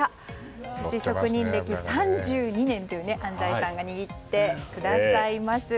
寿司職人歴３２年という安齋さんが握ってくださいます。